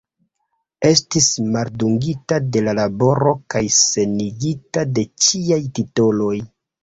Estis maldungita de la laboro kaj senigita de ĉiaj titoloj.